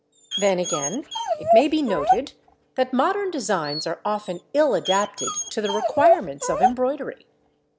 Then again it may be noted that modern designs are often ill adapted to the requirements of embroidery.